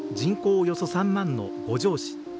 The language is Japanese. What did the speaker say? およそ３万の五條市。